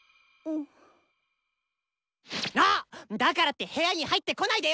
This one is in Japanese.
あっだからって部屋に入ってこないでよ